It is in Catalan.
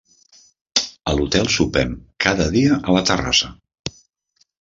A l'hotel sopem cada dia a la terrassa.